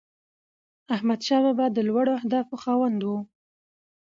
احمدشاه بابا د لوړو اهدافو خاوند و.